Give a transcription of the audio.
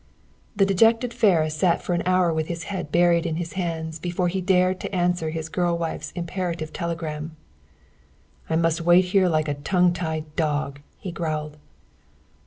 The dejected Ferris sat for an hour with his head buried in his hands, before he dared to answer his girl wife's imperative telegram. "I must wait here like a tongue tied dog," he growled.